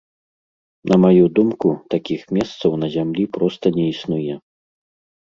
На маю думку, такіх месцаў на зямлі проста не існуе.